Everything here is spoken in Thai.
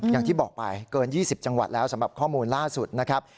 อย่างที่บอกไปเกิน๒๐จังหวัดแล้วสำหรับข้อมูลล่าสุดนะครับ